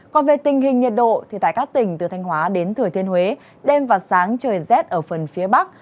còn về tình hình nhiệt độ tại các tỉnh từ thanh hóa đến thừa thiên huế đêm và sáng trời rét ở phần phía bắc